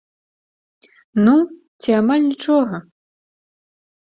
Ну, ці амаль нічога.